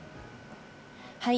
はい。